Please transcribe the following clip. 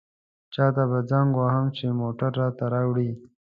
چاته به زنګ ووهم چې موټر راته راوړي.